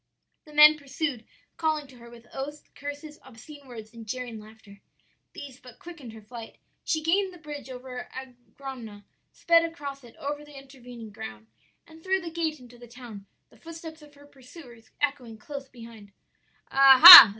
"The men pursued, calling to her with oaths, curses, obscene words, and jeering laughter. "These but quickened her flight; she gained the bridge over the Angrogna, sped across it, over the intervening ground, and through the gate into the town; the footsteps of her pursuers echoing close behind. "'Ah ha!